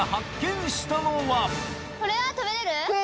これは食べれる？